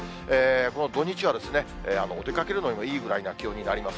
この土日は、出かけるのにもいい気温になります。